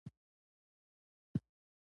ما د غلو دانو د جملو بیاکتنه هم کړې.